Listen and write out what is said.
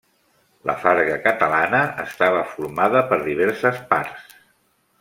La farga catalana estava formada per diverses parts.